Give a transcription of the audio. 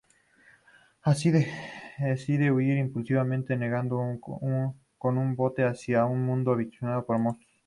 Así, decide huir impulsivamente, navegando con un bote hacia un mundo habitado por monstruos.